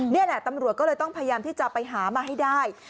นี่แหละตำรวจก็เลยต้องพยายามที่จะไปหามาให้ได้